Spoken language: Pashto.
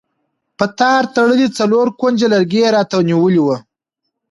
په تار تړلی څلور کونجه لرګی یې راته نیولی و.